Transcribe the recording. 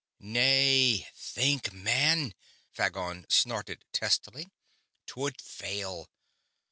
"Nay. Think, man!" Phagon snorted, testily. "'Twould fail.